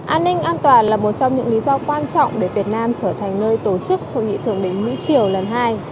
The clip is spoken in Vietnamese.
an ninh an toàn là một trong những lý do quan trọng để việt nam trở thành nơi tổ chức hội nghị thượng đỉnh mỹ triều lần hai